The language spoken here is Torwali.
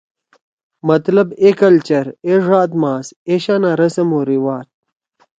مطلب اے کلچر، اے ڙاد ماس، ایشانا رسم او رواج۔